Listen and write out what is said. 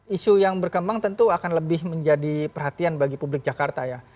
isu yang berkembang tentu akan lebih menjadi perhatian bagi publik jakarta ya